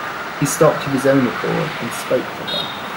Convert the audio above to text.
He stopped of his own accord and spoke to her.